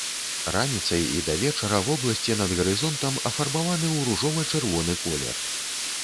Раніцай і да вечара вобласці над гарызонтам афарбаваны ў ружова-чырвоны колер.